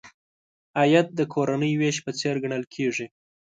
عاید د کورنۍ وېش په څېر ګڼل کیږي.